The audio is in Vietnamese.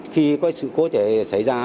khi có sự cố thể xảy ra